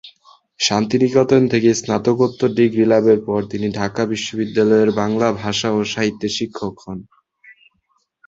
শান্তিনিকেতন থেকে স্নাতকোত্তর ডিগ্রি লাভের পর তিনি ঢাকা বিশ্ববিদ্যালয়ের বাংলা ভাষা ও সাহিত্যের শিক্ষক হন।